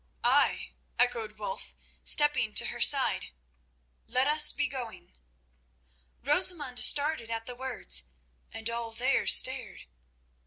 "Ay," echoed Wulf, stepping to her side, "let us be going." Rosamund started at the words, and all there stared.